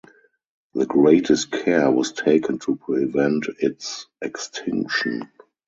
The greatest care was taken to prevent its extinction.